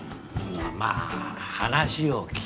まあ話を聞けって。